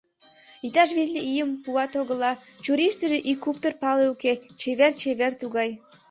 Иктаж витле ийым пуат-огыла: чурийыштыже ик куптыр пале уке, чевер-чевер тугай.